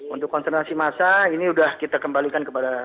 untuk konsentrasi massa ini sudah kita kembalikan kepada